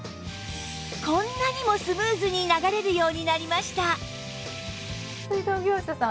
こんなにもスムーズに流れるようになりました